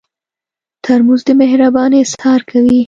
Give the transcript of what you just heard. ترموز د مهربانۍ اظهار کوي.